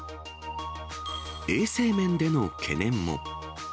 衛生面での懸念も。